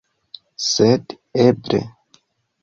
Sed eble...